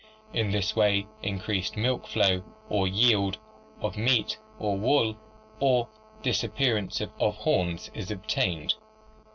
In this way increased milk flow or yield of meat or wool, or the disap pearance of horns is obtained.